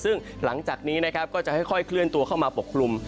ซึ่งหลังจากนี้นะครับก็จะค่อยเคลื่อนตัวเข้ามาปกคลุม